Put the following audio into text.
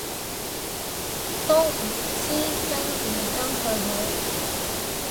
都唔知跟唔跟去好